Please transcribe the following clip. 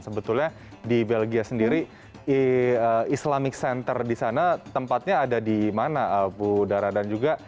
sebetulnya di belgia sendiri islamic center di sana tempatnya ada di mana bu dara dan juga